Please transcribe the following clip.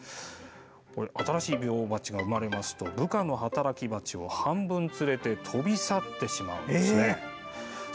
新しい女王バチが生まれますと部下の働きバチを半分つれて飛び去ってしまうんです。